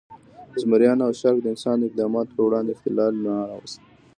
زمریانو او شارک د انسان د اقداماتو پر وړاندې اختلال نه راوست.